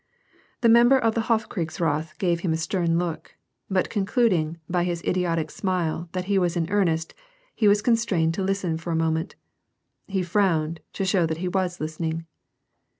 The member of the Hofkriegsrath gave him a stern look ; hut concluding, by his idiotic smile that he was in earnest, h«* was constrained to listen for a moment. He frowned, to show that he was listening.